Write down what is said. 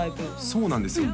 そうなんですよ